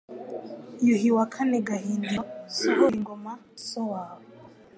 YUHI IV GAHINDIRO Sohor-ingoma, so wawe,